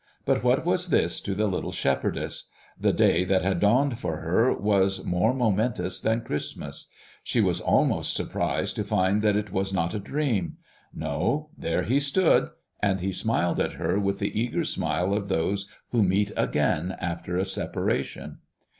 But what was this to the little shepherdess? The day that had dawned for her was more momentous than Christmas. She was almost surprised to find that it was not a dream. No, there he stood; and he smiled at her with the eager smile of those who meet again after a separation.